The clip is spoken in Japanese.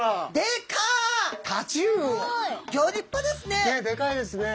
ねっでかいですね。